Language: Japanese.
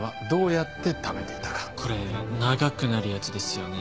これ長くなるやつですよね？